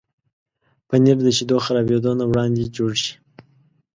پنېر د شیدو خرابېدو نه وړاندې جوړ شي.